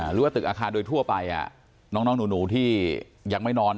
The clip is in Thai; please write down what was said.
หรือว่าตึกอาคารโดยทั่วไปน้องหนูที่ยังไม่นอน